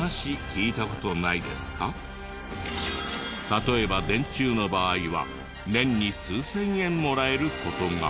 例えば電柱の場合は年に数千円もらえる事が。